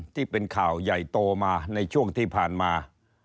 ที่เป็นข่าวใหญ่โตมาในช่วงที่ผ่านมา